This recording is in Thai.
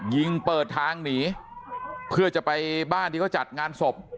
ยิงเปิดทางหนีเพื่อจะไปบ้านที่เขาจัดงานศพ